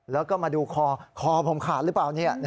แล้วก็มาดูคอคอผมขาดหรือเปล่า